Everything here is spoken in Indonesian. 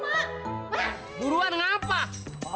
mak buruan ngapa